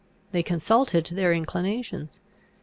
They consulted their inclinations.